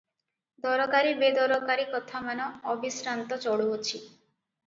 ଦରକାରୀ ବେଦରକାରୀ କଥାମାନ ଅବିଶ୍ରାନ୍ତ ଚଳୁଅଛି ।